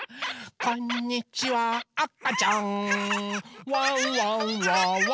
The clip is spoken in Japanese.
「こんにちはあかちゃんワンワンはワンワンですよ！」